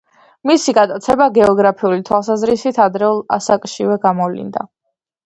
მისი გატაცება გეოგრაფიული თვალსაზრისით ადრეულ ასაკშივე გამოვლინდა.